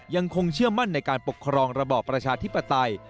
ยังคงเชื่อมั่นในการปกครองระบอบประชาธิปไตย